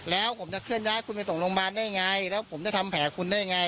แล้วผมจะเคลื่อนย้ายคุณไปส่งโรงพยาบาลได้ไงแล้วผมจะทำแผลคุณได้ไง